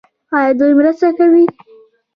آیا دوی مرسته کوي؟